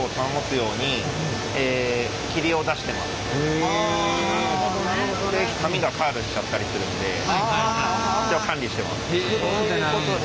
あの紙がカールしちゃったりするんで管理してます。